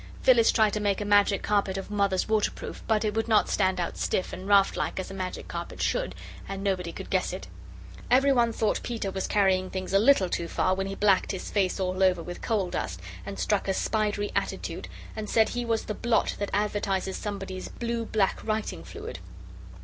Phyllis tried to make a Magic Carpet of Mother's waterproof, but it would not stand out stiff and raft like as a Magic Carpet should, and nobody could guess it. Everyone thought Peter was carrying things a little too far when he blacked his face all over with coal dust and struck a spidery attitude and said he was the blot that advertises somebody's Blue Black Writing Fluid.